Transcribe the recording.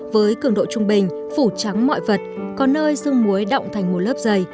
với cường độ trung bình phủ trắng mọi vật có nơi sưng muối động thành một lớp dày